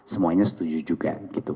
semuanya setuju juga